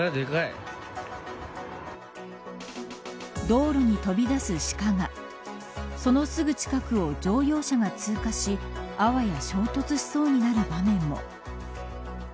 道路に飛び出すシカがそのすぐ近くを乗用車が通過しあわや衝突しそうになる場面も。